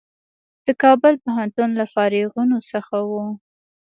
د کابل پوهنتون له فارغینو څخه و.